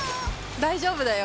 大丈夫だよ。